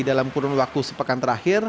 dalam kurun waktu sepekan terakhir